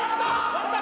割れた！